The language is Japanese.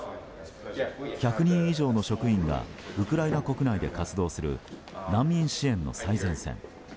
１００人以上の職員がウクライナ国内で活動する難民支援の最前線。